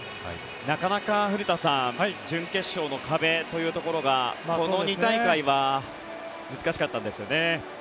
なかなか古田さん準決勝の壁というところがこの２大会は難しかったんですよね。